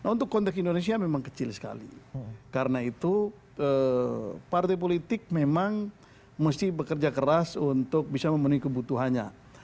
untuk konteks indonesia memang kecil sekali karena itu partai politik memang mesti bekerja keras untuk bisa memenuhi kebutuhannya